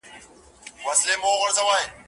د هلک موري سرلوړي په جنت کي دي ځای غواړم